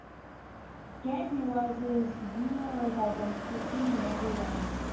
Gabe realizes Yulaw is identical to him in every way.